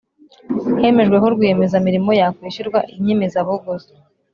hemejwe ko Rwiyemezamirimo yakwishyurwa inyemezabuguzi